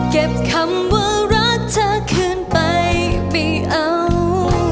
เก็บคำว่ารักเธอคืนไปไม่เอา